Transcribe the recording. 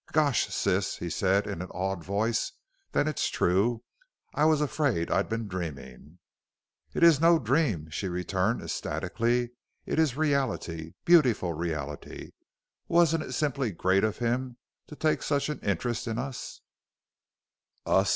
"Gosh, sis!" he said in an awed voice. "Then it's true! I was afraid I'd been dreaming!" "It is no dream," she returned ecstatically; "it is reality beautiful reality! Wasn't it simply great of him to take such an interest in us?" "Us?"